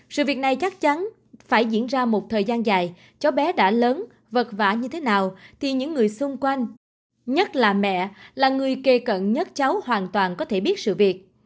sự việc này chắc chắn phải diễn ra một thời gian dài cháu bé đã lớn vật vã như thế nào thì những người xung quanh nhất là mẹ là người kề cận nhất cháu hoàn toàn có thể biết sự việc